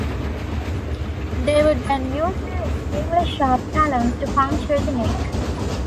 They would then use their extremely sharp talons to puncture the neck.